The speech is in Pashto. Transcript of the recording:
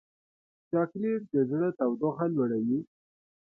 چاکلېټ د زړه تودوخه لوړوي.